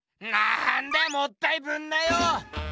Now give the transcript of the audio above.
なんだよもったいぶんなよ！